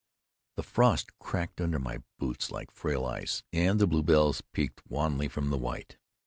The frost cracked under my boots like frail ice, and the bluebells peeped wanly from the white.